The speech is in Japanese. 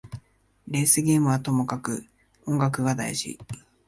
レースゲームはとにかく音楽が大事